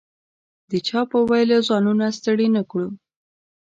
د چا په ویلو ځانونه ستړي نه کړو.